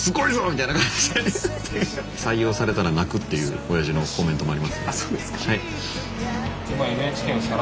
みたいな感じで「採用されたら泣く」っていうおやじのコメントもありますね。